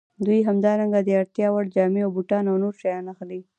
دوی همدارنګه د اړتیا وړ جامې او بوټان او نور شیان اخلي